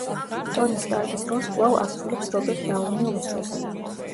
ტონი სტარკის როლს კვლავ ასრულებს რობერტ დაუნი უმცროსი.